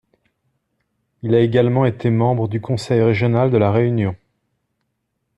Il a également été membre du conseil régional de La Réunion.